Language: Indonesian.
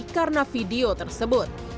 karena video tersebut